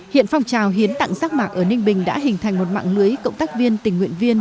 hiện phong trào hiến tặng giác mạc ở ninh bình đã hình thành một mạng lưới cộng tác viên tình nguyện viên